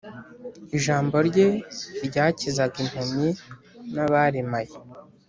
Ijambo rye ryakizaga impumyi n’abaremaye